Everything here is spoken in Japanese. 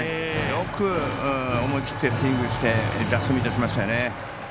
よく思い切ってスイングしてジャストミートしましたよね。